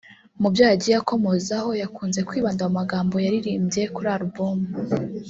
Mu byo yagiye akomozaho yakunze kwibanda mu magambo yaririmbye kuri album